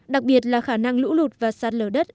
đặc biệt là khả năng lũ lụt và sạt lở đất